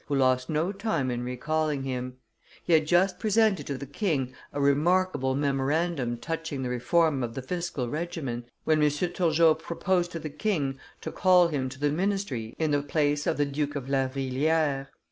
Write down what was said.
who lost no time in recalling him; he had just presented to the king a remarkable memorandum touching the reform of the fiscal regimen, when M. Turgot proposed to the king to call him to the ministry in the place of the Duke of La Vrilliere.